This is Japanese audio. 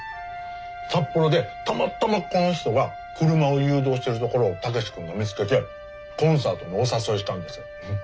札幌でたまたまこの人が車を誘導してるところを武志君が見つけてコンサートにお誘いしたんです。